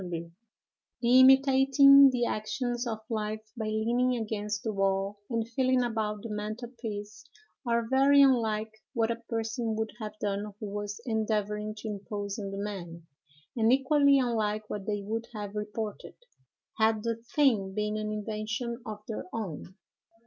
The imitating the actions of life by leaning against the wall and feeling about the mantel piece, are very unlike what a person would have done who was endeavoring to impose on the man; and equally unlike what they would have reported, had the thing been an invention of their own.